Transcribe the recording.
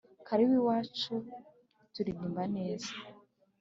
karibu iwacu turirimba neza